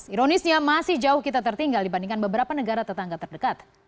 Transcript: ironisnya masih jauh kita tertinggal dibandingkan beberapa negara tetangga terdekat